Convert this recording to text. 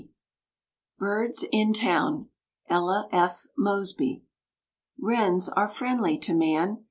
BIRDS IN TOWN. ELLA F. MOSBY. Wrens are friendly to man.